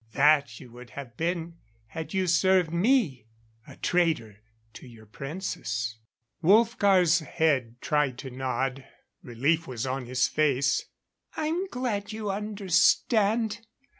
That you would have been had you served me a traitor to your Princess." Wolfgar's head tried to nod; relief was on his face. "I'm glad you understand.